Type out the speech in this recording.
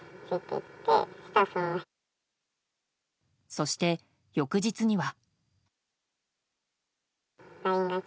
そして、翌日には。